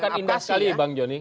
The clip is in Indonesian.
itu akan indah sekali bang jonny